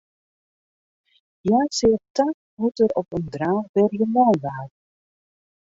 Hja seach ta hoe't er op in draachberje lein waard.